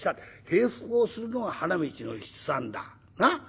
平伏をするのが花道の七三だ。なあ？